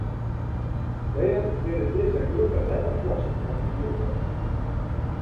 Dêr binne dizze grutte wetterplassen fan oerbleaun.